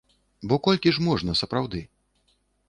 Бо колькі ж можна, сапраўды?